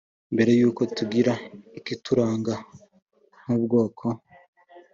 mbere y’uko tugira ikituranga nk’ubwoko